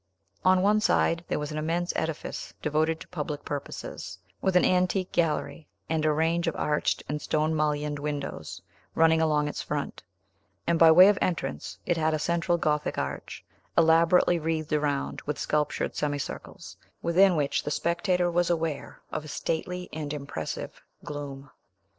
On one side, there was an immense edifice devoted to public purposes, with an antique gallery, and a range of arched and stone mullioned windows, running along its front; and by way of entrance it had a central Gothic arch, elaborately wreathed around with sculptured semicircles, within which the spectator was aware of a stately and impressive gloom.